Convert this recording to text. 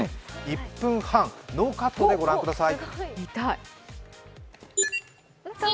１分半ノーカットでご覧ください。